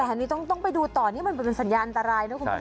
แต่อันนี้ต้องไปดูต่อนี่มันเป็นสัญญาณอันตรายนะคุณผู้ชม